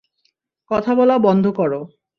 কথা বলা বন্ধ কর।